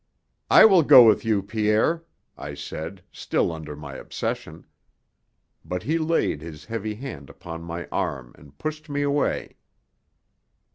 "I will go with you, Pierre," I said, still under my obsession. But he laid his heavy hand upon my arm and pushed me away.